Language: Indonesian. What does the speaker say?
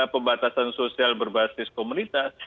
pembatasan sosial berbasis komunitas